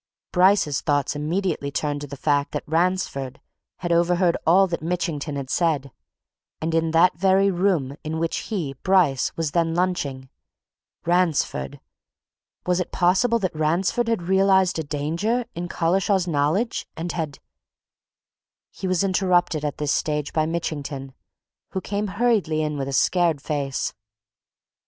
Bryce's thoughts immediately turned to the fact that Ransford had overheard all that Mitchington had said, in that very room in which he, Bryce, was then lunching Ransford! Was it possible that Ransford had realized a danger in Collishaw's knowledge, and had He was interrupted at this stage by Mitchington, who came hurriedly in with a scared face.